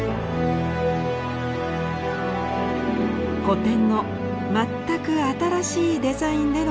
古典の全く新しいデザインでの再生。